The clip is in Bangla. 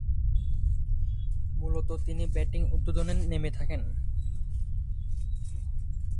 মূলতঃ তিনি ব্যাটিং উদ্বোধনে নেমে থাকেন।